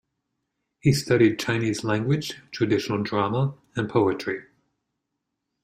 He studied Chinese language, traditional drama, and poetry.